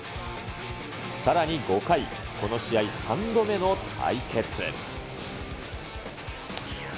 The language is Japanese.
さらに５回、この試合、３度目の対決。